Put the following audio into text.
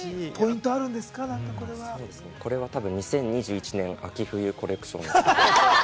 これはたぶん２０２１年の秋・冬コレクションです。